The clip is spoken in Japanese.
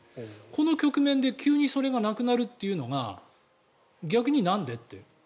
この局面で急にそれがなくなるというのが逆になんで？